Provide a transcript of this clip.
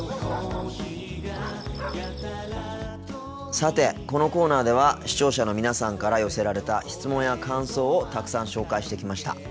さてこのコーナーでは視聴者の皆さんから寄せられた質問や感想をたくさん紹介してきました。